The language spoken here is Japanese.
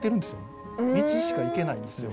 道しか行けないんですよ。